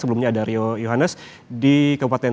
sebelumnya ada rio yohannes di kabupaten